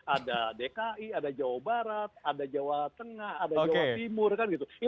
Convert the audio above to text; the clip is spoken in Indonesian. ada dki ada jawa barat ada jawa tengah ada jawa timur kan gitu